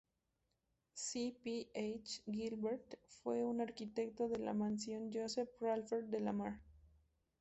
C. P. H. Gilbert fue el arquitecto de la Mansión Joseph Raphael De Lamar.